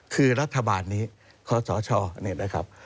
คือรัฐบาลนี้คศเนี่ยนะครับ